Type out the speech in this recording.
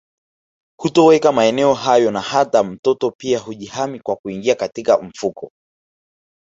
Hutoweka maeneo hayo na hata mtoto pia hujihami kwa kuingia katika mfuko